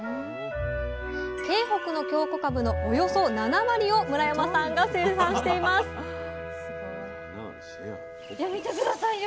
京北の京こかぶのおよそ７割を村山さんが生産していますいや見て下さいよ